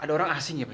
ada orang asing ya pak